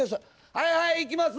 はいはい行きます。